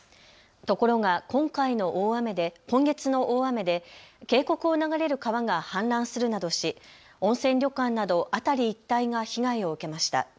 ところが今月の大雨で渓谷を流れる川が氾濫するなどし温泉旅館など辺り一帯が被害を受けました。